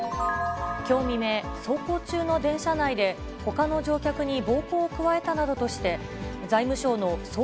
きょう未明、走行中の電車内で、ほかの乗客に暴行を加えたなどとして、財務省の総括